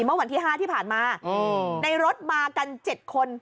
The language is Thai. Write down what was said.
เมื่อวันที่๕ที่ผ่านมาในรถมากัน๗คน